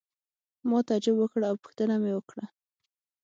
ما تعجب وکړ او پوښتنه مې وکړه.